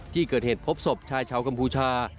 ที่เกิดเหตุพบศพชายชาวกัมพูชา